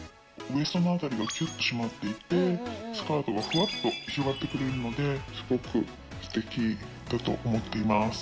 ウエストのあたりがキュッと締まっていて、スカートがふわっと広がってくれるので、すごくすてきだと思っています。